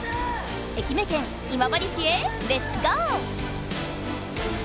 愛媛県今治市へレッツゴー！